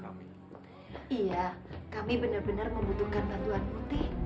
iya kami benar benar membutuhkan bantuan putih